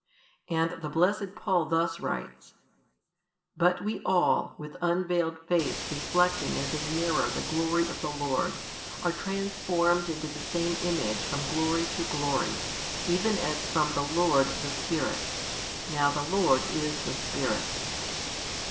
And the blessed Paul thus writes: But we all, with unveiled face reflecting as a mirror the glory of the Lord, are transformed |444 into the same image from glory to glory, even as from the Lord the Spirit. Now the Lord is the Spirit.